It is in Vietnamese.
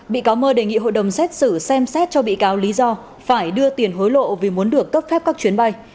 bị cáo mơ đề nghị hội đồng xét xử xem xét cho bị cáo lý do phải đưa tiền hối lộ vì muốn được cấp phép các chuyến bay